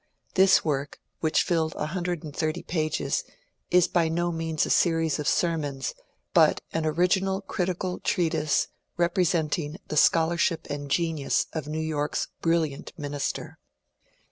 This work, which filled 130 pages, is by no means a series of sermons but an original critical treatise representing the scholarship and genius of New York's brilliant minister.